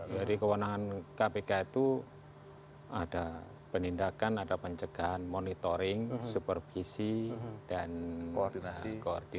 jadi kewenangan kpk itu ada penindakan ada pencegahan monitoring supervisi dan koordinasi